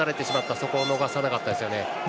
そこを逃さなかったですよね。